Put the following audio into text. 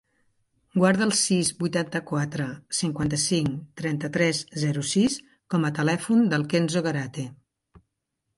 Guarda el sis, vuitanta-quatre, cinquanta-cinc, trenta-tres, zero, sis com a telèfon del Kenzo Garate.